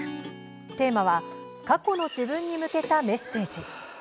テーマは過去の自分に向けたメッセージ。